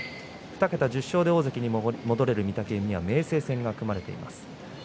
２桁１０勝で大関に戻れる御嶽海は明生戦が組まれています。